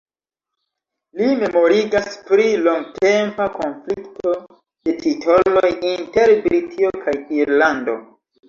Li memorigas pri longtempa konflikto de titoloj inter Britio kaj Irlando.